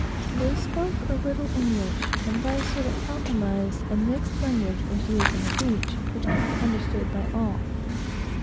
They spoke a little English, and by a sort of compromise, a mixed language was used on the beach, which could be understood by all.